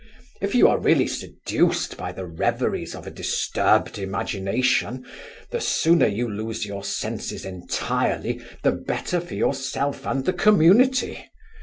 If you are really seduced by the reveries of a disturbed imagination, the sooner you lose your senses entirely, the better for yourself and the community.